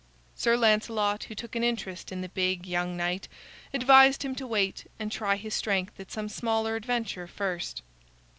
Sir Lancelot, who took an interest in the big young knight, advised him to wait and try his strength at some smaller adventure first.